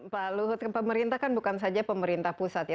pak luhut pemerintah kan bukan saja pemerintah pusat ya